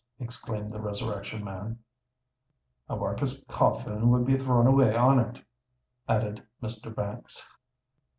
exclaimed the Resurrection Man. "A workus coffin would be thrown away on it," added Mr. Banks.